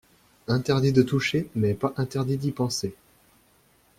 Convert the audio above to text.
Interdit de toucher mais pas interdit d’y penser.